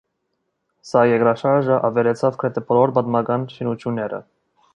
Սա երկրաշարժը ավերեցաւ գրեթէ բոլոր պատմական շինութիւնները։